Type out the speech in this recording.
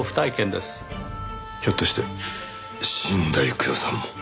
ひょっとして死んだ幾代さんも。